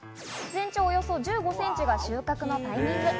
全長およそ１５センチが収穫のタイミング。